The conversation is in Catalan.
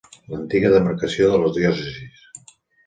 L'antiga demarcació de les diòcesis.